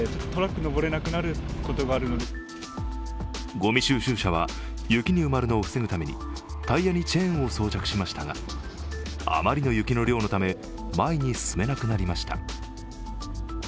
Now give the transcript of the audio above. ごみ収集車は雪に埋まるのを防ぐためにタイヤにチェーンを装着しましたが、あまりの雪の量のため前に進めなくなりました。